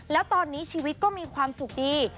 แล้วตอนนี้ชีวิตก็มีความสุขดี